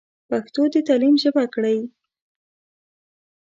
پښتو د تعليم ژبه کړئ.